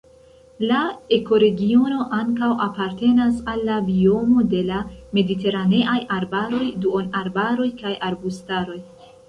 La ekoregiono ankaŭ apartenas al la biomo de la mediteraneaj arbaroj, duonarbaroj kaj arbustaroj.